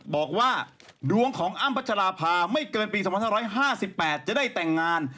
บอกว่าดวงของอ้ำพัชราภาไม่เกินปี๒๕๕๘จะได้แต่งงาน